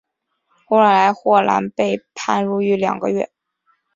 后来霍兰被判入狱两个月。